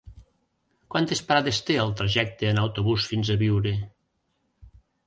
Quantes parades té el trajecte en autobús fins a Biure?